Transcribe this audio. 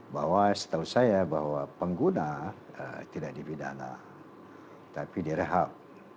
bahwa setahu saya bahwa pengguna tidak dibidana tapi direhab